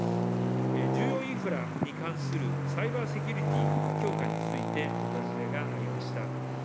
重要インフラに関するサイバー・セキュリティー強化について、お尋ねがありました。